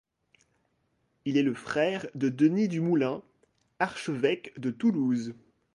Il est le frère de Denis du Moulin, archevêque de Toulouse.